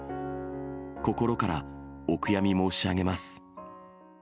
心からお悔やみ申し上げます。